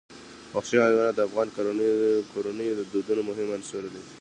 وحشي حیوانات د افغان کورنیو د دودونو مهم عنصر دی.